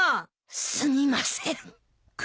すみません。